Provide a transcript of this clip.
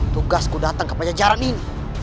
tugasku datang ke pajajaran ini